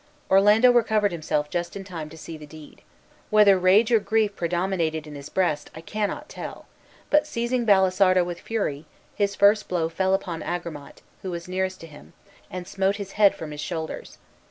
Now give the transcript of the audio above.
Orlando recovered himself just in time to see the deed. Whether rage or grief predominated in his breast, I cannot tell; but, seizing Balisardo with fury, his first blow fell upon Agramant, who was nearest to him, and smote his head from his shoulders.